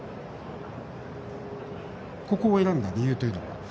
ここを選んだ理由というのは？